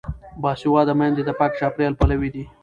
باسواده میندې د پاک چاپیریال پلوي دي.